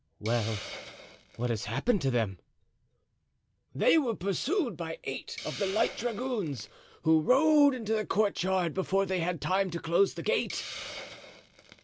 "Well, what has happened to them?" "They were pursued by eight of the light dragoons, who rode into the courtyard before they had time to close the gate."